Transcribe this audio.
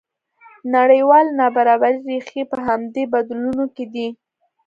د نړیوالې نابرابرۍ ریښې په همدې بدلونونو کې دي.